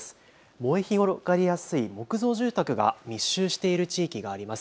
燃え広がりやすい木造住宅が密集している地域があります。